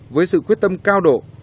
với sự quyết tâm cao độ